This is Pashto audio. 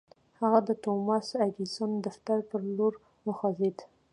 هغه د توماس اې ايډېسن د دفتر پر لور وخوځېد.